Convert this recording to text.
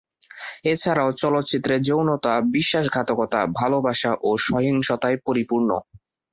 এছাড়াও চলচ্চিত্রে যৌনতা, বিশ্বাসঘাতকতা, ভালবাসা ও সহিংসতায় পরিপূর্ণ।